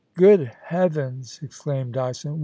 * Good heavens !' exclaimed Dyson.